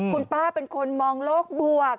คุณป้าเป็นคนมองโลกบวก